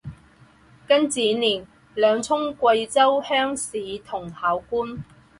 庚子年两充贵州乡试同考官。